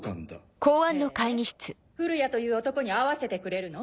へぇ降谷という男に会わせてくれるの？